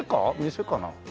店かな？